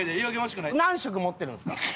何色持ってるんですか？